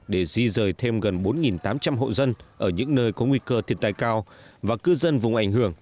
để di rời thêm gần bốn tám trăm linh hộ dân ở những nơi có nguy cơ thiệt tai cao và cư dân vùng ảnh hưởng